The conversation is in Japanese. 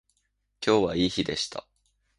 今日はいい日でした